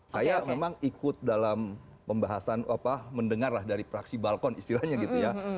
saya memang ikut dalam pembahasan mendengarlah dari praksi balkon istilahnya gitu ya